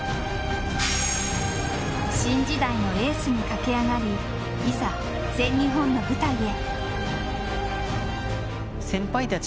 新時代のエースに駆け上がりいざ、全日本の舞台へ。